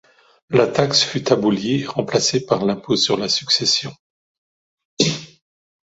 La taxe fut abolie et remplacée par l'impôt sur la succession.